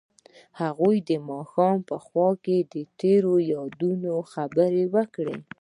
هغوی د ماښام په خوا کې تیرو یادونو خبرې کړې.